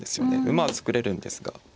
馬は作れるんですが。